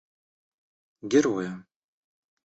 героя